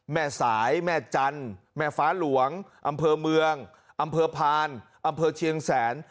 แม่สายแม่จันทร์แม่ฟ้าหลวงอำเภอเมืองอำเภอพานอำเภอเชียงแสน